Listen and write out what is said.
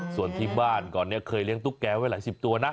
ส่วนที่บ้านก่อนนี้เคยเลี้ยงตุ๊กแกไว้หลายสิบตัวนะ